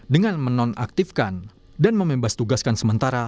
dengan menonaktifkan dan membebas tugaskan sementara